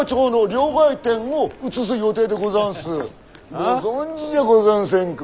ご存じじゃござんせんか。